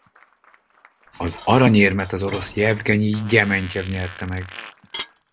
Az aranyérmet az orosz Jevgenyij Gyementyjev nyerte meg.